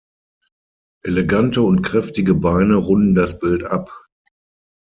Elegante und kräftige Beine runden das Bild ab.